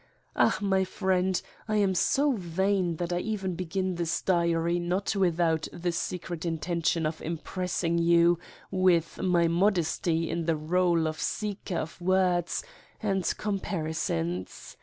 Ah, my friend, I am so vain that I 8 Satan's Diary even begin this Dairy not without the secret in tention of impressing you with my modesty in the role of seeker of words and comparisons.